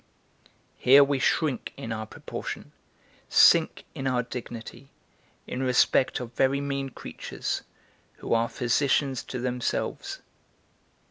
Here we shrink in our proportion, sink in our dignity, in respect of very mean creatures, who are physicians to themselves.